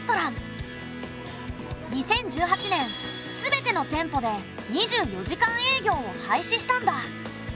２０１８年全ての店舗で２４時間営業を廃止したんだ。